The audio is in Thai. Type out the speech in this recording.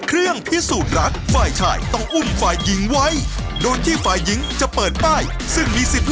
เครื่องพิสูจน์รักครับ